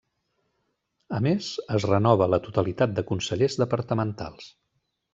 A més, es renova la totalitat de consellers departamentals.